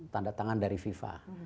tanda tangan dari viva